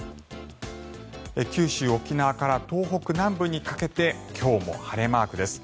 九州、沖縄から東北南部にかけて今日も晴れマークです。